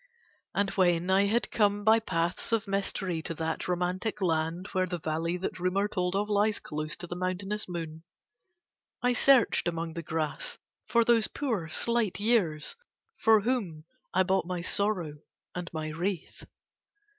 And when I had come by paths of mystery to that romantic land, where the valley that rumour told of lies close to the mountainous moon, I searched among the grass for those poor slight years for whom I bought my sorrow and my wreath.